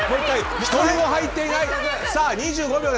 １人も入っていない。